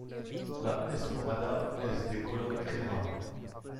La esporada es de color crema.